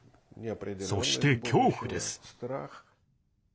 そして、恐怖です。